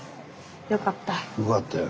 よかったよ。